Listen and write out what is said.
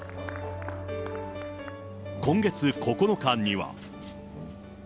今月９日には。